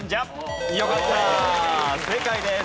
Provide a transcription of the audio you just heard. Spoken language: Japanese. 正解です。